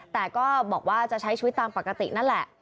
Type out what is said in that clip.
แต่ก็บอกว่าจะใช้ชีวิตตามปกตินั่นแหละ